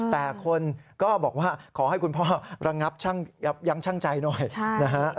แต่คนก็บอกว่าขอให้คุณพ่อระงับยังช่างใจหน่อยนะฮะ